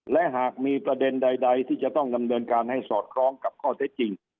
และหากมีประเด็นใดที่จะต้องดำเนินการให้สอดคล้องกับข้อเท็จจริง